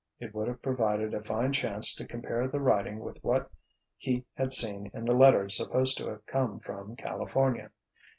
It would have provided a fine chance to compare the writing with what he had seen in the letter supposed to have come from California.